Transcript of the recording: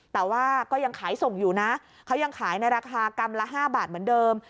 แต่ว่าก็ยังขายส่งอยู่นะเขายังขายในราคากรัมละ๕บาทเหมือนเดิม